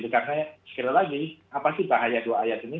karena sekali lagi apa sih bahaya dua ayat ini